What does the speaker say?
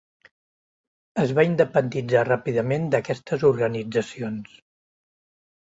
Es va independitzar ràpidament d'aquestes organitzacions.